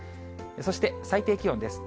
そして最低気温です。